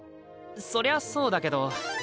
そりゃそうだけど。